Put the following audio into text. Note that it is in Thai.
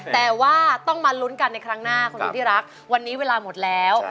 แต่ว่าต้องมาลุ้นกันในครั้งหน้าคุณที่รักวันนี้เวลาหมดแล้ว